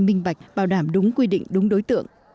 minh bạch bảo đảm đúng quy định đúng đối tượng